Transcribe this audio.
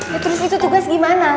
ya terus itu tugas gimana